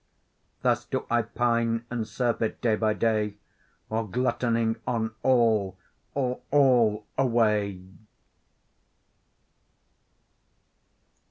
Thus do I pine and surfeit day by day, Or gluttoning on all, or all away.